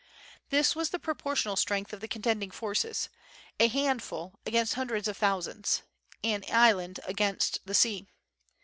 This was the proportional strength of the contending forces ... a handful against hundreds of thousands, an island against the sea.